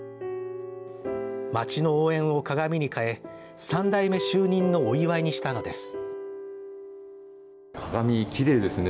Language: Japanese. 街の応援を鏡に変え３代目就任のお祝いにしたのです。